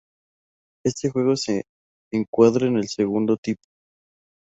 Este juego se encuadra en el segundo tipo.